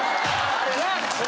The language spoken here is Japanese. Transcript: あれな！